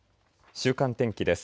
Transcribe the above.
週間天気です。